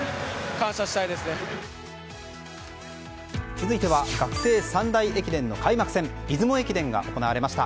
続いては学生三大駅伝の開幕戦出雲駅伝が行われました。